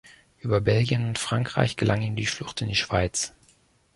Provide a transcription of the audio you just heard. Über Belgien und Frankreich gelang ihm die Flucht in die Schweiz.